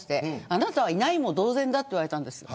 あなたはいないも同然だと言われたんです。